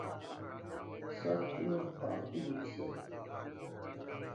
Sɔ̂t yɔ̂ faʼ njʉ̂ʼsyâ.